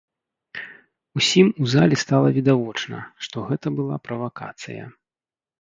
Усім у залі стала відавочна, што гэта была правакацыя.